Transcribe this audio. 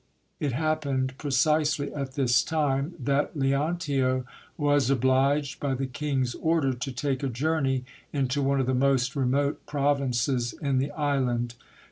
It happened precisely at this time that Leontio was obliged by the king's order to take a journey into one of the most remote provinces in the island.